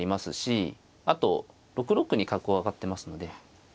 あと６六に角を上がってますので。